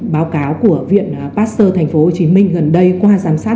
báo cáo của viện pasteur tp hcm gần đây qua giám sát